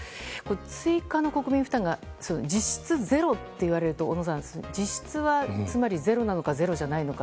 追加の国民負担が実質ゼロといわれると小野さん、実質はつまりゼロなのかゼロじゃないのか。